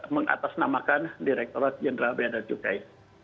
mengatasnamakan direkturat jenderal beada cukai